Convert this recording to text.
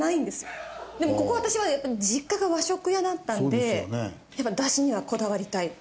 でもここ私はやっぱり実家が和食屋だったのでやっぱダシにはこだわりたい。